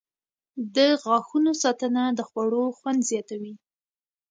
• د غاښونو ساتنه د خوړو خوند زیاتوي.